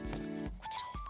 こちらです。